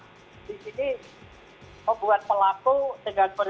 di sini membuat pelaku dengan ber